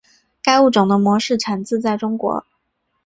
该物种的模式产地在中国。